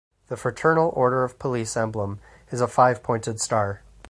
The Fraternal Order of Police emblem is a five-pointed star.